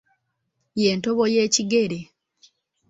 Ye ntobo y'ekigere.